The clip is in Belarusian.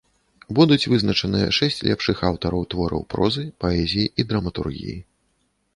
Будуць вызначаныя шэсць лепшых аўтараў твораў прозы, паэзіі і драматургіі.